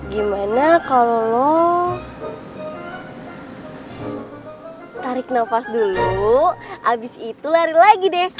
gimana kalau tarik nafas dulu abis itu lari lagi deh